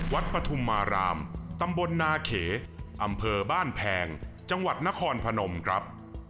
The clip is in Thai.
ปฐุมมารามตำบลนาเขอำเภอบ้านแพงจังหวัดนครพนมครับ